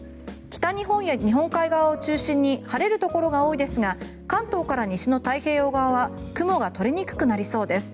北日本や日本海側を中心に晴れるところが多いですが関東から西の太平洋側は雲がとりにくくなりそうです。